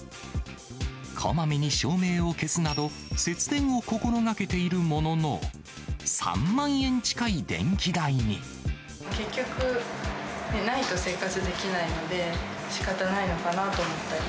こまめに照明を消すなど、節電を心がけているものの、結局、ないと生活できないので、しかたないのかなと思ったり。